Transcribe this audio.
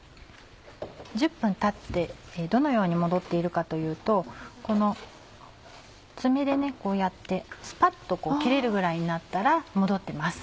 １０分たってどのように戻っているかというとこの爪でこうやってスパっと切れるぐらいになったら戻ってます。